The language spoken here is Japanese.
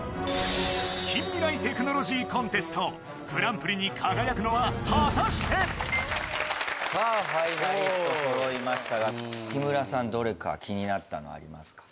近未来テクノロジーコンテストグランプリに輝くのは果たして？さあファイナリスト揃いましたが木村さんどれか気になったのありますか？